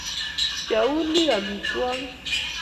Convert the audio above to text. pcheuni amitwogik